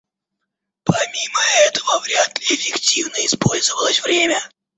Помимо этого, вряд ли эффективно использовалось время.